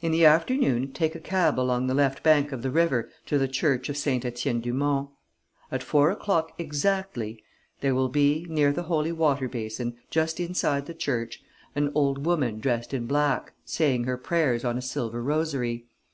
"In the afternoon, take a cab along the left bank of the river to the church of Saint Étienne du Mont. At four o'clock exactly, there will be, near the holy water basin, just inside the church, an old woman dressed in black, saying her prayers on a silver rosary.